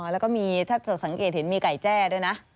แล้วก็มีถ้าจะสังเกตเห็นมีไก่แจ้ด้วยนะ